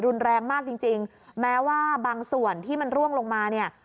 รุนแรงมากจริงจริงแม้ว่าบางส่วนที่มันร่วงลงมาเนี่ย